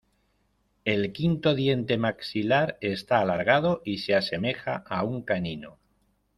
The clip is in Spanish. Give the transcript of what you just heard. El quinto diente maxilar está alargado y se asemeja a un canino.